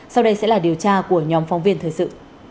sau đây sẽ là điều tra của nhóm phóng viên thời sự